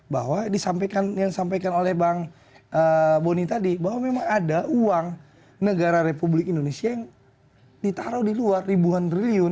bahwa yang disampaikan oleh bang boni tadi bahwa memang ada uang negara republik indonesia yang ditaruh di luar ribuan triliun